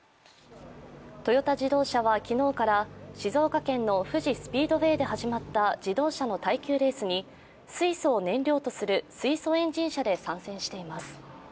トヨタ自動車ら昨日から静岡県の富士スピードウェイで始まった自動車の耐久レースに、水素を燃料とする水素エンジン車で参戦しています。